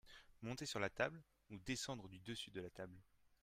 monter sur la table ou descendre de dessus la table.